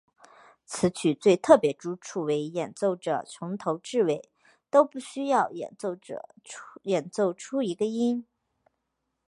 此曲最特别之处为演奏者从头至尾都不需要演奏出一个音。